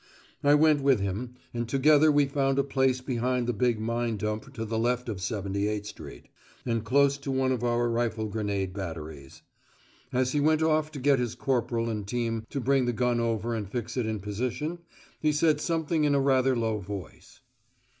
I went with him, and together we found a place behind the big mine dump to the left of 78 Street, and close to one of our rifle grenade batteries. As he went off to get his corporal and team to bring the gun over and fix it in position, he said something in a rather low voice.